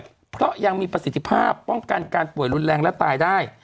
เพราะยังมีประสิทธิภาพป้องกันการป่วยรุนแรงและตายได้